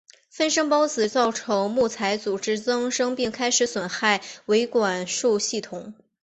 分生孢子造成木材组织增生并开始损害维管束系统。